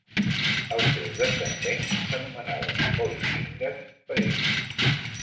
Els seus descendents s'anomenaven "Oiscingas" per ell.